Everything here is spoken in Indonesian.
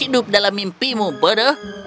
hidup dalam mimpimu bodoh